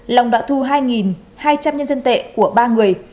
long đã thu hai hai trăm linh nhân dân tệ của ba người